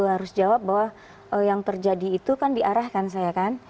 harus jawab bahwa yang terjadi itu diarahkan saya